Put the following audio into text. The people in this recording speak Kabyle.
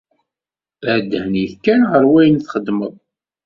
Err ddhen-ik kan ɣer wayen txeddmeḍ.